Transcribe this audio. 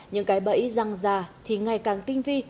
những cái bẫy răng ra thì ngày càng tinh vi